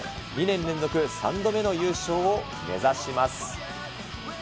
２年連続３度目の優勝を目指します。